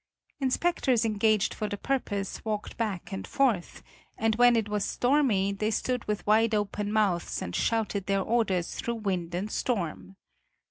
Inspectors engaged for the purpose walked back and forth, and when it was stormy, they stood with wide open mouths and shouted their orders through wind and storm.